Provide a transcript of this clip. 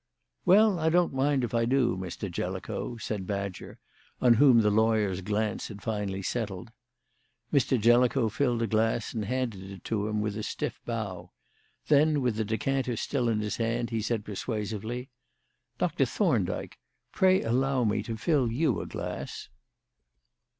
"Well, I don't mind if I do, Mr. Jellicoe," said Badger, on whom the lawyer's glance had finally settled. Mr. Jellicoe filled a glass and handed it to him with a stiff bow; then, with the decanter still in his hand, he said persuasively: "Doctor Thorndyke, pray allow me to fill you a glass?"